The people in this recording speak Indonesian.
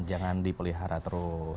jangan dipelihara terus